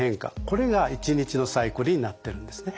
これが一日のサイクルになってるんですね。